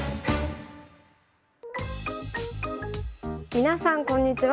皆さんこんにちは。